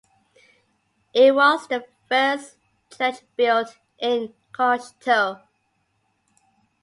It was the first church built in Kokshetau.